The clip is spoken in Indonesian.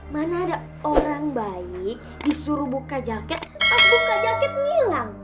mana ada orang bayi disuruh buka jaket pas buka jaket milang